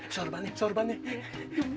sorban nih sorban nih